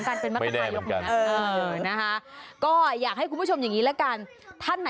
มาจากปากปากจะอยู่ด้านหน้า